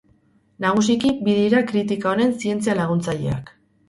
Nagusiki bi dira kritika honen zientzia laguntzaileak.